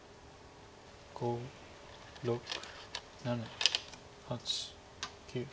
５６７８９。